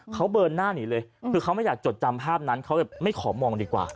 เขาเบิร์นหน้าหนีเลยคือเขาไม่อยากจดจำภาพนั้นเขาไม่ขอมองดีกว่า